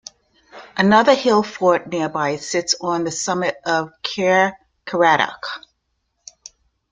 Another hill fort nearby sits on the summit of Caer Caradoc.